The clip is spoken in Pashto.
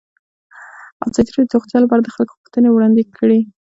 ازادي راډیو د روغتیا لپاره د خلکو غوښتنې وړاندې کړي.